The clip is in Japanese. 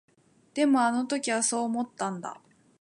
でも、あの時はそう思ったんだ。